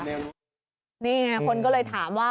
นี่เนี่ยคนก็เลยถามว่า